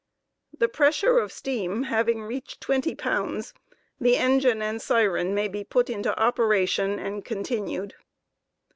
The pressure of steam having reached twenty pounds, the engine and siren Btarttog. may be put into operation and continued.